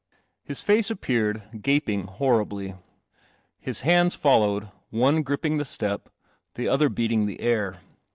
His face appeared, gaping horribly. His hands followed, one gripping the step, the other beating the air.